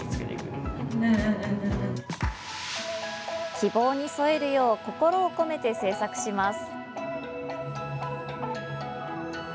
希望に沿えるよう心を込めて制作します。